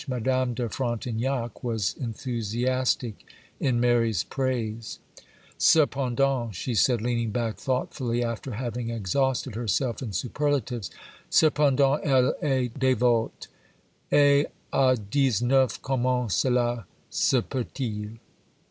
Madame de Frontignac was enthusiastic in Mary's praise. 'Cependant,' she said, leaning back, thoughtfully, after having exhausted herself in superlatives,—'_cependant elle est dévote,—et à dix neuf comment cela se peut il?